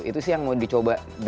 itu sih yang mau dicoba